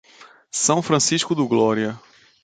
São Francisco do Glória